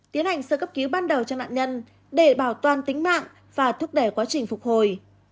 tiến hành sơ cấp cứu ban đầu cho nạn nhân để bảo toàn tính mạng và thúc đẩy quá trình phục hồi